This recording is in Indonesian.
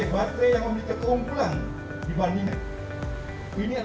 baterai yang memiliki keumpulan dibandingkan